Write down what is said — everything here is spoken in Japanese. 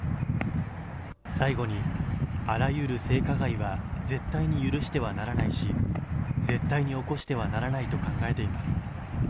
最後にあらゆる性加害は絶対に許してはならないし、絶対に起こしてはならないと考えています。